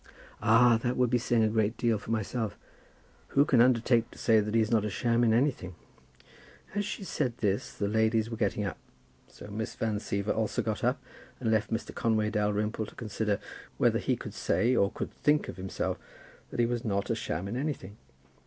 "Ah, that would be saying a great deal for myself. Who can undertake to say that he is not a sham in anything?" As she said this the ladies were getting up. So Miss Van Siever also got up, and left Mr. Conway Dalrymple to consider whether he could say or could think of himself that he was not a sham in anything.